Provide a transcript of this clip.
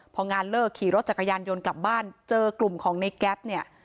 พองานเลิกขี่รถจักรยานยนต์กลับบ้านเจอกลุ่มของในแก๊ปเนี่ย